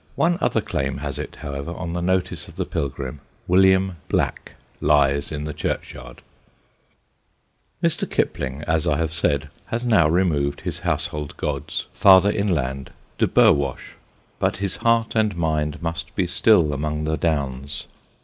One other claim has it, however, on the notice of the pilgrim: William Black lies in the churchyard. [Sidenote: "BLUE GOODNESS OF THE WEALD"] Mr. Kipling, as I have said, has now removed his household gods farther inland, to Burwash, but his heart and mind must be still among the Downs.